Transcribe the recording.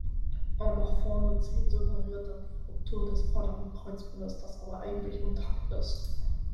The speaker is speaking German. Ein Nach-Vorne-Ziehen suggeriert dann eine Ruptur des vorderen Kreuzbandes, das aber eigentlich intakt ist.